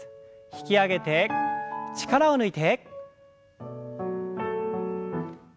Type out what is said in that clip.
引き上げて力を抜いて。